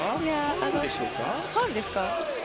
ファウルですか？